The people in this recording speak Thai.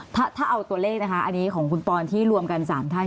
ถ้าเอาตัวเลขนะคะอันนี้ของคุณปอนที่รวมกัน๓ท่าน